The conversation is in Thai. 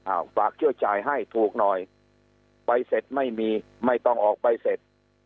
ฝากเชี่ยวจ่ายให้ถูกหน่อยใบเสร็จไม่มีไม่ต้องออกใบเสร็จ